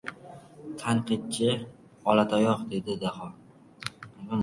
— Tanqidchi — olatayoq! — dedi Daho.